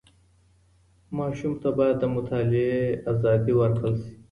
ماسوم ته باید د مطالعې ازادي ورکړل سي.